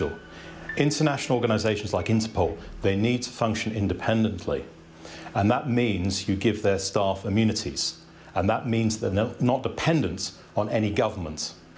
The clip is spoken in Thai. และให้เรียกว่าทางการของทั้งหมด